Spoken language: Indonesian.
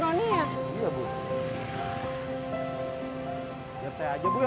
biar saya aja bu yang bawa